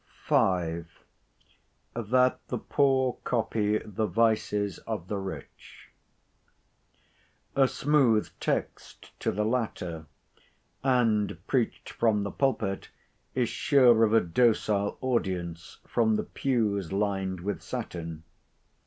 V.—THAT THE POOR COPY THE VICES OF THE RICH A smooth text to the latter; and, preached from the pulpit, is sure of a docile audience from the pews lined with satin.